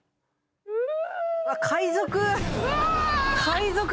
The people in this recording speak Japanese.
うん！